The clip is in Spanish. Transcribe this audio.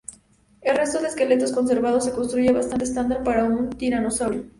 El resto del esqueleto conservado se construye bastante estándar para un tiranosáurido.